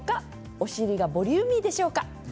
お尻がボリューミーでしょうか。